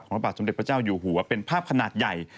พระบาทสมเด็จพระเจ้าอยู่หัวเป็นภาพขนาดใหญ่